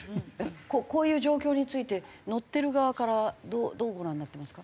こういう状況について乗ってる側からどうご覧になってますか？